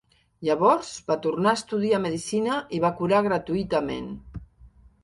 Llavors va tornar a estudiar medicina i va curar gratuïtament.